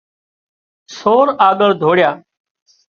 سور آڳۯ ڌوڙيا